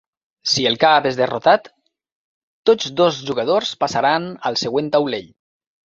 Si el cap és derrotat, tots dos jugadors passaran al següent taulell.